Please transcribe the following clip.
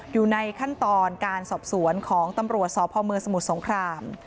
อยู่ในขั้นตอนการสอบสวนของตำรวจสพเมืองสมุทรสงคราม